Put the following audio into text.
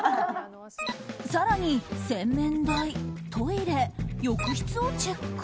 更に洗面台、トイレ、浴室をチェック。